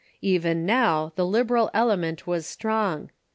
Even now the liberal element was strong.